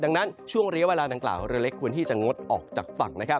ดังนั้นช่วงไร้เวลาอังกฬาวเล็กควรที่จะงดออกจากฝั่ง